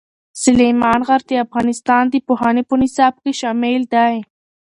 سلیمان غر د افغانستان د پوهنې په نصاب کې شامل دی.